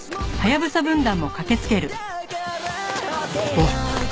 おい。